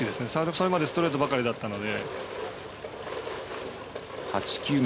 それまでストレートばかりだったので。